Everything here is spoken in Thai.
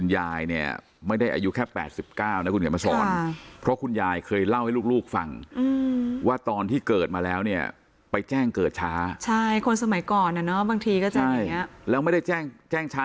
แต่ไม่รู้สึกตรงไหนก็ได้อย่างที่อาจริงเท่าว่า